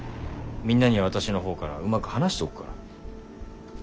みんなには私の方からうまく話しておくから。